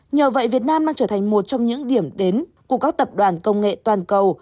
nhờ vậy việt nam đang trở thành một trong những điểm đến của các tập đoàn công nghệ toàn cầu